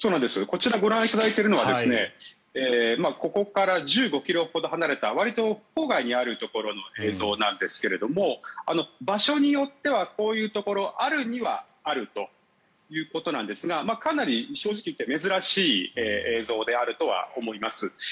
こちら、ご覧いただいているのはここから１５ｋｍほど離れたわりと郊外にあるところの映像なんですけれども場所によってはこういうところあるにはあるということですがかなり正直言って珍しい映像であるとは思います。